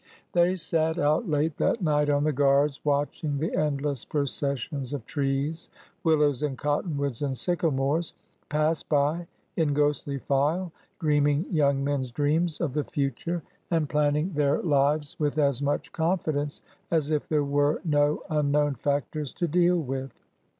They sat out late that night on the guards, watching the endless processions of trees — willows and cotton woods and sycamores— pass by in ghostly file, dreaming young men's dreams of the future, and planning their TWO AND TWO ARE FIVE 67 lives with as much confidence as if there were no unknown factors to deal with.